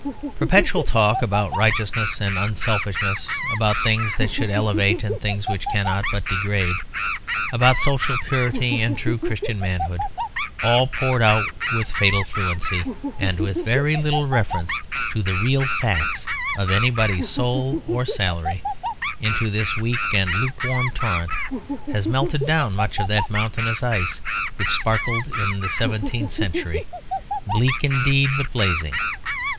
Perpetual talk about righteousness and unselfishness, about things that should elevate and things which cannot but degrade, about social purity and true Christian manhood, all poured out with fatal fluency and with very little reference to the real facts of anybody's soul or salary into this weak and lukewarm torrent has melted down much of that mountainous ice which sparkled in the seventeenth century, bleak indeed, but blazing.